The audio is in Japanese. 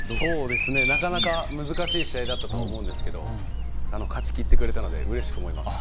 なかなか難しい試合だったと思うんですけれど勝ち切ってくれたのでうれしく思います。